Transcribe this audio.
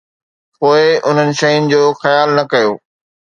پوءِ انهن شين جو خيال نه ڪيو؟